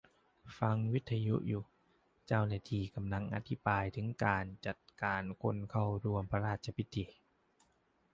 ฟังวิทยุอยู่ เจ้าหน้าที่กำลังอธิบายถึงการจัดการคนเข้าร่วมพระราชพิธี